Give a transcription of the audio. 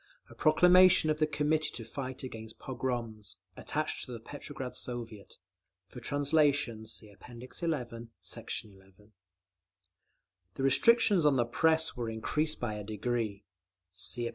A proclamation of the Committee to Fight against Pogroms, attached to the Petrograd Soviet. For translation see App. XI, Sect. 11. The restrictions on the Press were increased by a decree (See App.